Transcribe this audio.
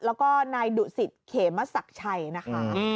แล้วก็นายดุศิษฐ์เขมสักชัยนะคะ